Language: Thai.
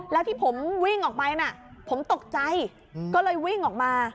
แล้วที่ผมวิ่งออกไปน่ะผมตกใจก็เลยวิ่งออกมา